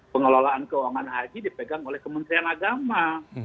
pengelolaan keuangan haji dipegang oleh kementerian agama